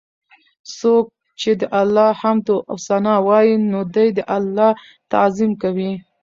څوک چې د الله حمد او ثناء وايي، نو دی د الله تعظيم کوي